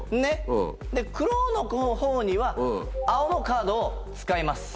黒のほうには青のカードを使います。